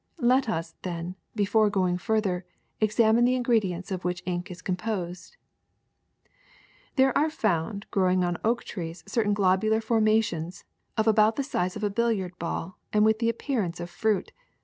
Let us, then, before going further, examine the ingredients of which ink is composed. *' There are found growing on oak trees certain globular formations of about the size of a billiard ball and with the appear ance of fruit.